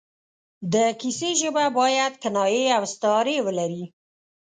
د کیسې ژبه باید کنایې او استعارې ولري.